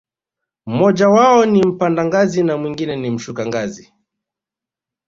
mmoja wao ni mpanda ngazi na mwingine ni mshuka ngazi.